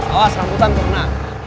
awas rambutan kena